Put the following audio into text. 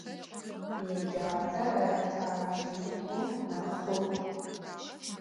Yêcap'er etajjit'u mexhu.